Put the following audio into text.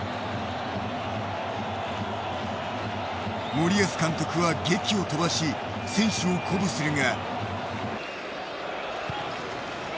森保監督はげきを飛ばし選手を鼓舞するが。